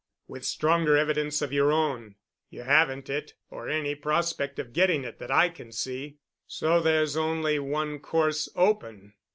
"With stronger evidence of your own. You haven't it, or any prospect of getting it that I can see. So there's only one course open."